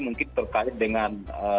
mungkin terkait dengan